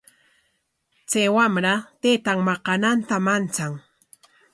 Chay wamra taytan maqananta manchan.